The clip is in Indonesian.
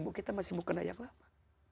ibu kita masih mau kena yang lama